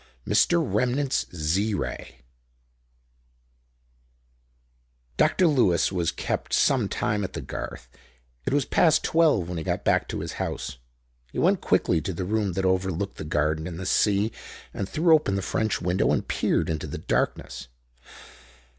Mr. Remnant's Z Ray Dr. Lewis was kept some time at the Garth. It was past twelve when he got back to his house. He went quickly to the room that overlooked the garden and the sea and threw open the French window and peered into the darkness.